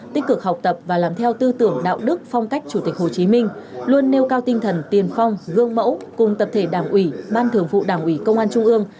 tích cực học tập và làm theo tư tưởng đạo đức phong cách chủ tịch hồ chí minh luôn nêu cao tinh thần tiền phong gương mẫu cùng tập thể đảng ủy ban thường vụ đảng ủy công an trung ương